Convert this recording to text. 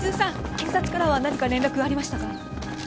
警察からは何か連絡ありましたか？